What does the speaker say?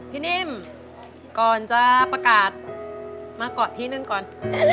นิ่มก่อนจะประกาศมาเกาะที่หนึ่งก่อน